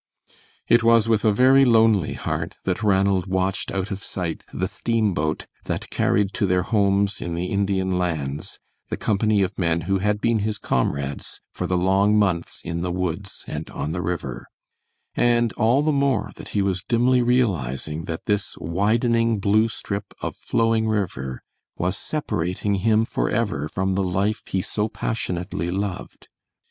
It was with a very lonely heart that Ranald watched out of sight the steamboat that carried to their homes in the Indian Lands the company of men who had been his comrades for the long months in the woods and on the river, and all the more that he was dimly realizing that this widening blue strip of flowing river was separating him forever from the life he so passionately loved.